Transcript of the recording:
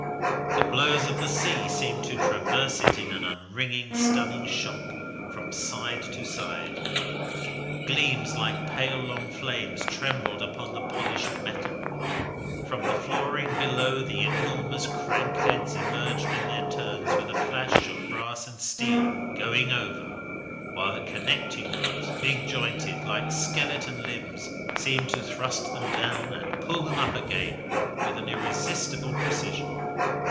The blows of the sea seemed to traverse it in an unringing, stunning shock, from side to side. Gleams, like pale long flames, trembled upon the polish of metal; from the flooring below the enormous crank heads emerged in their turns with a flash of brass and steel going over; while the connecting rods, big jointed, like skeleton limbs, seemed to thrust them down and pull them up again with an irresistible precision.